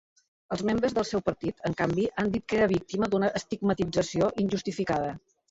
Els membres del seu partit, en canvi, han dit que era víctima d'una estigmatització injustificada.